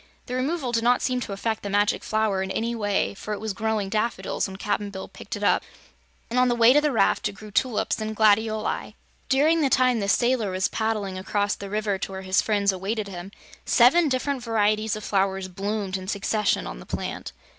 The removal did not seem to affect the Magic Flower in any way, for it was growing daffodils when Cap'n Bill picked it up and on the way to the raft it grew tulips and gladioli. During the time the sailor was paddling across the river to where his friends awaited him, seven different varieties of flowers bloomed in succession on the plant.